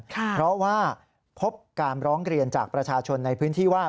เพราะว่าพบการร้องเรียนจากประชาชนในพื้นที่ว่า